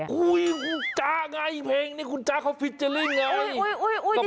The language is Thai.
คุณจ้าง่ายเพลงนี้คุณจ้างเขาฟิจัลลิ่งอย่างนี้